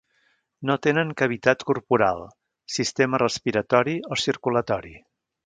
No tenen cavitat corporal, sistema respiratori o circulatori.